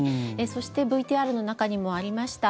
そしてＶＴＲの中にもありました